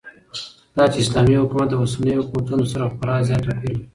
داچې اسلامي حكومت داوسنيو حكومتونو سره خورا زيات توپير لري